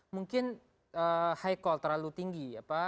mungkin high call terlalu tinggi